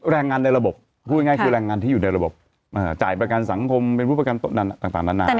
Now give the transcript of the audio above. ตั้งแต่กรุงภาค่ะเริ่มกรุงภานี่ละ๗๕บาท